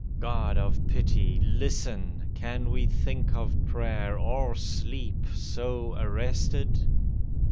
— God of pity, listen! Can we think of prayer — or sleep — so arrested?